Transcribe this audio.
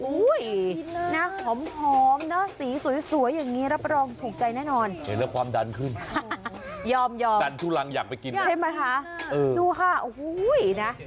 อุ้ยกลิ่นถลุกมาถึงที่นี่